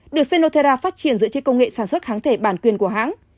được senotera phát triển giữa chiếc công nghệ sản xuất kháng thể bản quyền của hãng